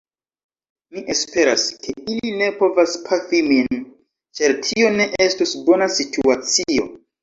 Mi esperas, ke ili ne povas pafi min, ĉar tio ne estus bona situacio.